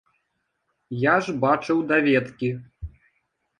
Я ж бачыў даведкі.